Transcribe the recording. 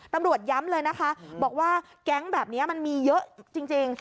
ตำรวจย้ำเลยนะคะบอกว่าแก๊งแบบนี้มันมีเยอะจริง